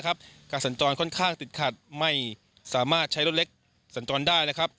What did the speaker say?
สัญจรค่อนข้างติดขัดไม่สามารถใช้รถเล็กสัญจรได้นะครับ